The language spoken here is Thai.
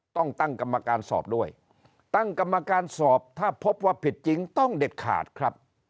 ต้องตั้งกรรมการสอบด้วยตั้งกรรมการสอบถ้าพบว่าผิดจริงต้องเด็ดขาดครับ